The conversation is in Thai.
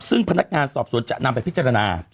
ซึ่งพนักงานสอบสวนจะนำไปพิจารณา